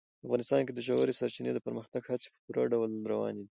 افغانستان کې د ژورې سرچینې د پرمختګ هڅې په پوره ډول روانې دي.